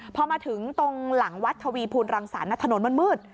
พอมาถึงตรงหลังวัดทวีภูลรังสรรคถนนมันมืด